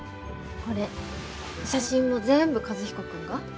これ写真も全部和彦君が？